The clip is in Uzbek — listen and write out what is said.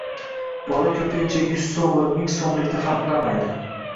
bola ko‘pincha yuz so‘m va ming so‘mlikni farqlamaydi.